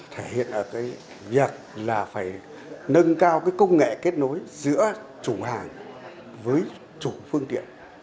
thể hiện ở cái việc là phải nâng cao cái công nghệ kết nối giữa chủ hàng với chủ phương tiện